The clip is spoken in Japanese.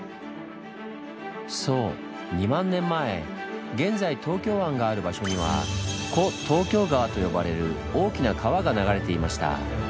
そう２万年前現在東京湾がある場所には「古東京川」と呼ばれる大きな川が流れていました。